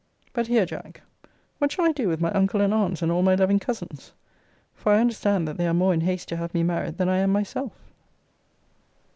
But here, Jack, what shall I do with my uncle and aunts, and all my loving cousins? For I understand that they are more in haste to have me married than I am myself.